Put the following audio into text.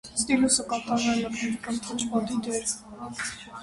Ստիլուսը կատարում է մկնիկի կամ թաչպադի դեր։